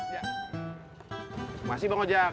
terima kasih bang ojak